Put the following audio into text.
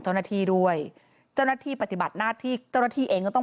เจ้าหน้าที่ด้วยเจ้าหน้าที่ปฏิบัติหน้าที่เจ้าหน้าที่เองก็ต้อง